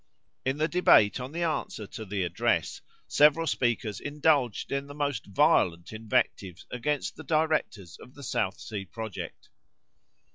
In the debate on the answer to the address, several speakers indulged in the most violent invectives against the directors of the South Sea project.